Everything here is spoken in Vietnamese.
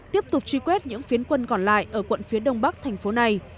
tiếp tục truy quét những phiến quân còn lại ở quận phía đông bắc thành phố này